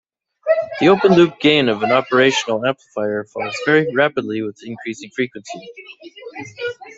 The open-loop gain of an operational amplifier falls very rapidly with increasing frequency.